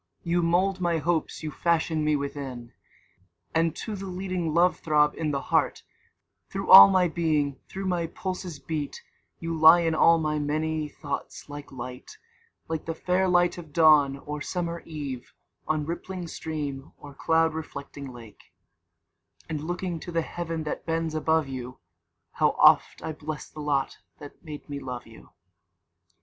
26 You mould my Hopes you fashion me within: And to the leading love throb in the heart, Through all my being, through my pulses beat; You lie in all my many thoughts like Light, Like the fair light of Dawn, or summer Eve, On rippling stream, or cloud reflecting lake; And looking to the Heaven that bends above you, How oft! I bless the lot that made me love you.